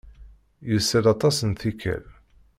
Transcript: Yusa-d aṭas n tikkal.